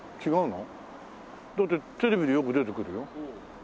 だってテレビでよく出てくるよ。